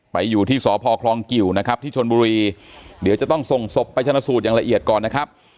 อยู่ที่สพคลองกิวนะครับที่ชนบุรีเดี๋ยวจะต้องส่งศพไปชนะสูตรอย่างละเอียดก่อนนะครับ